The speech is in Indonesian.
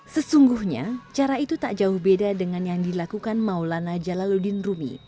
sesungguhnya cara itu tak jauh beda dengan yang dilakukan maulana jalaluddin rumi